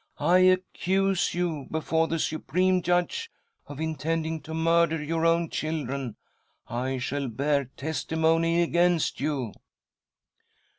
I accuse you before the Supreme Judge of intending, to murder your own children. I shall bear testimony against you.'